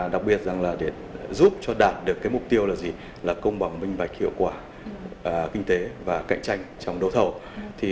đặc biệt giúp đạt được mục tiêu công bằng minh bạch hiệu quả kinh tế và cạnh tranh trong đấu thầu